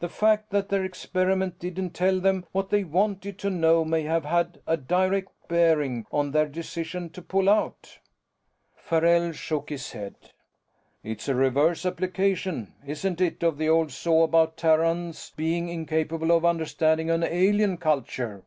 The fact that their experiment didn't tell them what they wanted to know may have had a direct bearing on their decision to pull out." Farrell shook his head. "It's a reverse application, isn't it of the old saw about Terrans being incapable of understanding an alien culture?"